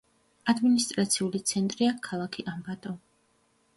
ადმინისტრაციული ცენტრია ქალაქი ამბატო.